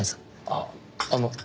あっあの。